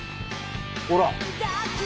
ほら。